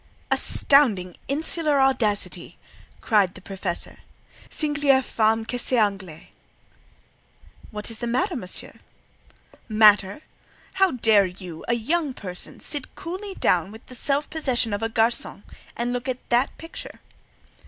"Astounding insular audacity!" cried the Professor. "Singulières femmes que ces Anglaises!" "What is the matter, Monsieur?" "Matter! How dare you, a young person, sit coolly down, with the self possession of a garçon, and look at that picture?"